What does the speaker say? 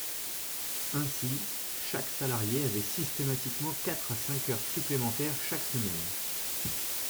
Ainsi, chaque salarié avait systématiquement quatre à cinq heures supplémentaires chaque semaine.